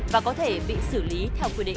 và có thể bị xử lý theo quyết định